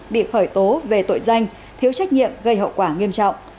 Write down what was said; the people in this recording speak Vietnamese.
bị khởi tố về tội danh thiếu trách nhiệm gây hậu quả nghiêm trọng